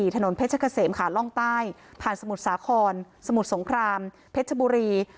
ถนนเพชรเกษมขาล่องใต้ผ่านสมุทรสาครสมุทรสงครามเพชรบุรี